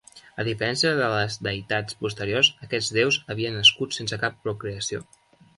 A diferència de les deïtats posteriors, aquests deus havien nascut sense cap procreació.